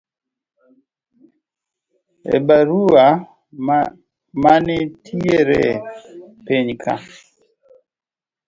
e barua manitiere pinyka